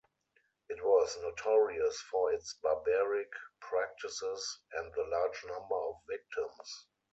It was "notorious for its barbaric practices and the large number of victims".